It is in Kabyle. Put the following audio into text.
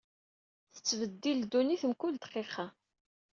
Tettbeddil ddunit mkul dqiqa.